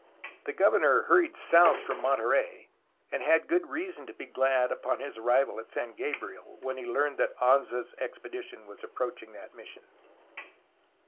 The governor 310 A HISTORY OF CALIFORNIA hurried south from Monterey, and had good reason to be glad upon his arrival at San Gabriel when he learned that Anza^s expedition was approaching that mission.